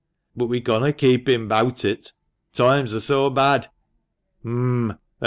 But we conno' keep him bout it — toimes are so bad." " H'm !